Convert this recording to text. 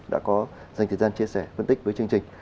đã có dành thời gian chia sẻ phân tích với chương trình